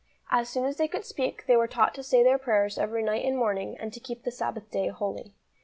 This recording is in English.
As soon as they could speak, they were taught to say their prayers every night and morning, and to keep the Sabbath day holy.